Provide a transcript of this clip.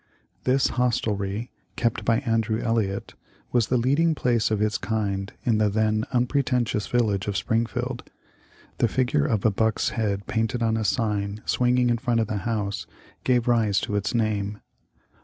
This hostelry, kept by Andrew Elliot, was the leading place of its kind in the then unpretentious village of Springfield. The figure of a buck's head painted on a sign swinging in fi'ont of the house gave rise to its name.